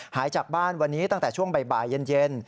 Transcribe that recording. หายจากบ้านวันนี้ตั้งแต่ช่วงบ่ายเย็น